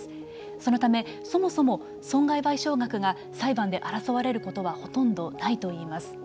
そのため、そもそも損害賠償額が裁判で争われることはほとんどないといいます。